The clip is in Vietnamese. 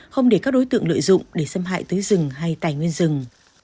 không để các đối tượng lợi dụng để xâm hại tới rừng hay tài nguyên rừng